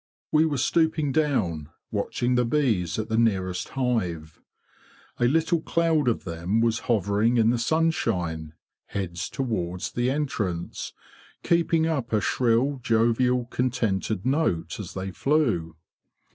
'' We were stooping down, watching the bees at the nearest hive. A little cloud of them was hovering in the sunshine, heads towards the entrance, keeping up a shrill jovial contented note as they flew.